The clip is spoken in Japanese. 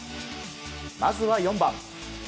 まずは４番。